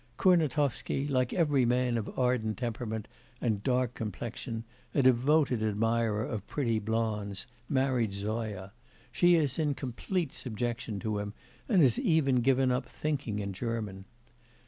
Kurnatovsky, like every man of ardent temperament and dark complexion, a devoted admirer of pretty blondes, married Zoya; she is in complete subjection to him and has even given up thinking in German.